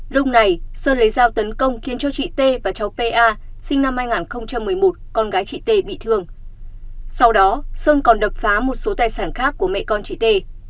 lúc này sơn lấy dao tấn công khiến cho chị t và cháu pa sinh năm hai nghìn một mươi một con gái chị t bị thương sau đó sơn còn đập phá một số tài sản khác của mẹ con chị t